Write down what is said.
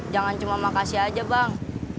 jangan cuma makasih aja bang